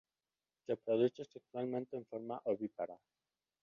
Se reproduce sexualmente en forma ovípara.